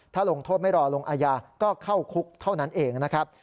ถ้าลงโทษไม่รอลงอาญาก็เข้าคุกเท่านั้นเองนะครับ